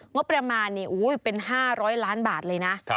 งบประมาณเป็น๕๐๐ล้านบาทเลยนะ